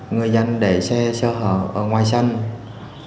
người dân để xe sơ hở ở ngoài sân hoặc là ở trong nhà